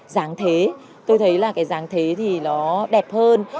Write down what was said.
dáng thế tôi thấy là cái giáng thế thì nó đẹp hơn